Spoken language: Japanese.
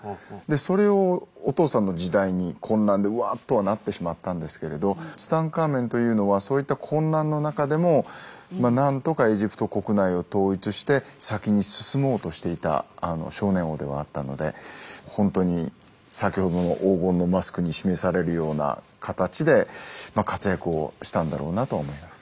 それをお父さんの時代に混乱でうわっとはなってしまったんですけれどツタンカーメンというのはそういった混乱の中でも何とかエジプト国内を統一して先に進もうとしていた少年王ではあったのでほんとに先ほどの黄金のマスクに示されるような形で活躍をしたんだろうなと思います。